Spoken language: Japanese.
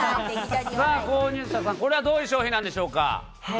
購入者さん、これはどういう商品なんでしょうか？